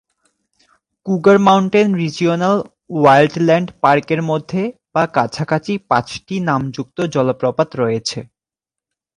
কুগার Mountain Regional Wildland পার্কের মধ্যে বা কাছাকাছি পাঁচটি নামযুক্ত জলপ্রপাত রয়েছে।